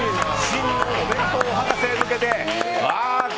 真のお弁当博士に向けて。